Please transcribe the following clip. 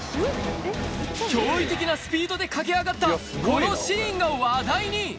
驚異的なスピードで駆け上がった、このシーンが話題に。